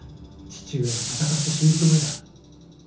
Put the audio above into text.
父上は戦って死ぬつもりだ。